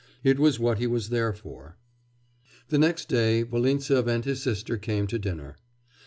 It was what he was there for. The next day Volintsev and his sister came to dinner.